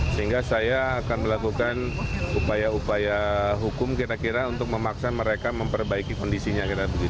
sehingga saya akan melakukan upaya upaya hukum kira kira untuk memaksa mereka memperbaiki kondisinya